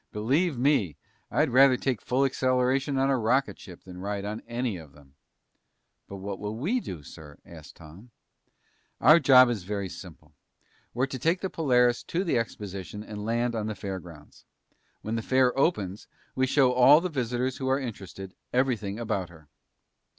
Believe me, I'd rather take full acceleration on a rocket ship than ride on any of them." "But what will we do, sir?" asked Tom. "Our job is very simple. We're to take the Polaris to the exposition and land on the fairgrounds. When the fair opens, we show all the visitors who are interested, everything about her."